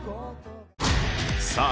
さあ